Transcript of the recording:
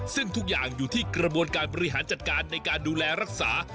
ซึ่งทุกอย่างอยู่ที่กระบวนการบริหารจัดการในการดูแลรักษา